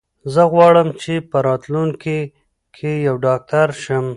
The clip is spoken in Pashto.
زه غواړم چې په راتلونکي کې یو ډاکټر شم.